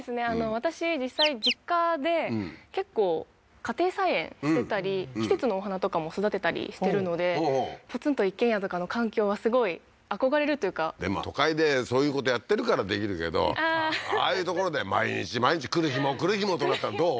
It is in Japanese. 私実際実家で結構家庭菜園してたり季節のお花とかも育てたりしてるのでポツンと一軒家とかの環境はすごい憧れるというかでも都会でそういうことやってるからできるけどああーああいう所で毎日毎日来る日も来る日もとなったらどう？